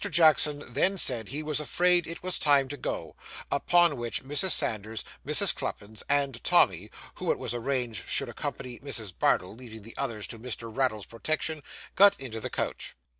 Jackson then said he was afraid it was time to go; upon which, Mrs. Sanders, Mrs. Cluppins, and Tommy (who it was arranged should accompany Mrs. Bardell, leaving the others to Mr. Raddle's protection), got into the coach.